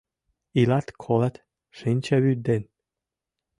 Илат, колат — шинчавӱд ден.